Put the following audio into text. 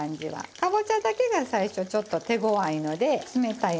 かぼちゃだけが最初ちょっと手ごわいので冷たい油から入れています。